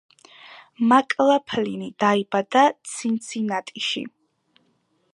მაკლაფლინი დაიბადა ცინცინატიში.